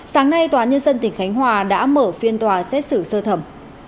sáng nay tòa nhân dân tỉnh khánh hòa đã mở phiên tòa xét xử sơ thẩm